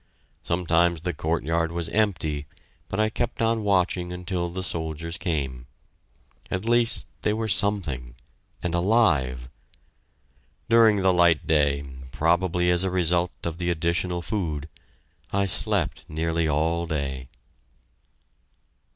Sometimes the courtyard was empty, but I kept on watching until the soldiers came. At least they were something and alive! During the light day, probably as a result of the additional food, I slept nearly all day.